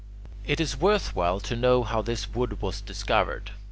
It is worth while to know how this wood was discovered.